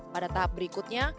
pada tahap berikutnya